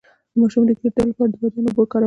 د ماشوم د ګیډې درد لپاره د بادیان اوبه وکاروئ